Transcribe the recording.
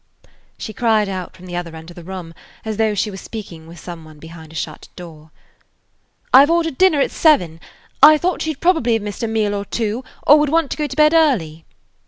She cried out from the other end of the room, as though she were speaking with some one behind a shut door: "I 've ordered dinner at seven. I thought you 'd probably have missed a meal or two, or would want to go to bed early."